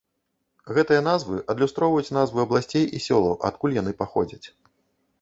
Гэтыя назвы адлюстроўваюць назвы абласцей і сёлаў, адкуль яны паходзяць.